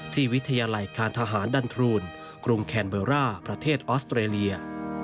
วิทยาลัยการทหารดันทรูนกรุงแคนเบอร์ร่าประเทศออสเตรเลีย